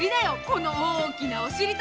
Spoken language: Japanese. この大きなおしり。